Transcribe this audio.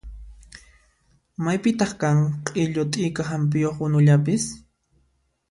Maypitaq kan q'illu t'ika hampiyuq unullapis?